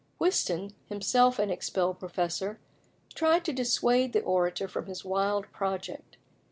Whiston, himself an expelled professor, tried to dissuade the Orator from his wild project.